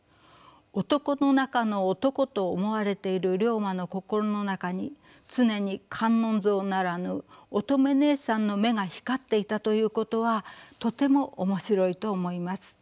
男の中の男と思われている竜馬の心の中に常に観音像ならぬ乙女姉さんの眼が光っていたということはとても面白いと思います。